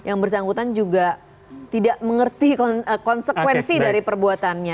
yang bersangkutan juga tidak mengerti konsekuensi dari perbuatannya